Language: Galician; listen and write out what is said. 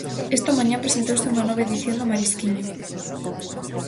Esta mañá presentouse unha nova edición do Marisquiño.